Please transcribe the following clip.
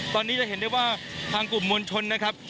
ตอนนี้จะเห็นได้ว่าทางกลุ่มมวลชนนะครับ